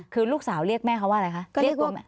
คือลูกสาวเรียกแม่เขาว่าอะไรคะ